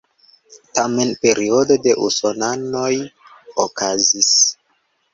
Tamen periodo de usonanoj okazis.